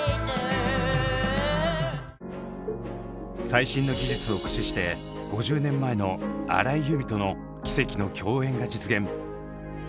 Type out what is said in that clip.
最新の技術を駆使して５０年前の荒井由実との奇跡の共演が実現！